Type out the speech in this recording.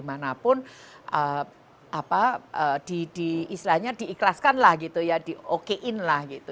dimanapun apa diislahnya diikhlaskan lah gitu ya di okein lah gitu